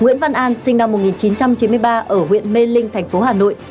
nguyễn văn an sinh năm một nghìn chín trăm chín mươi ba ở huyện mê linh thành phố hà nội